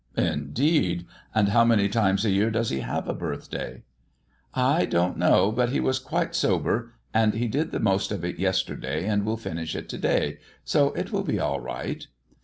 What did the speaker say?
"Indeed! and how many times a year does he have a birthday?" "I don't know, but he was quite sober; and he did the most of it yesterday and will finish it to day, so it will be all right."